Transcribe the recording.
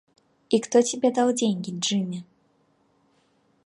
И кто тебе дал деньги, Джимми?